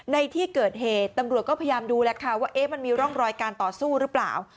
ในที่เกิดเหตุตำรวจก็พยายามดูแล้วค่ะว่ามันมีร่องรอยการต่อสู้หรือเปล่า